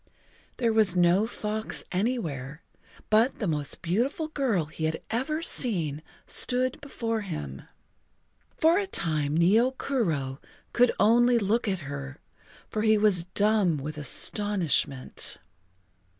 There was no fox anywhere, but the most beautiful girl he had ever seen stood before him. For a time Nio Kuro could only look at her, for he was dumb with astonishment.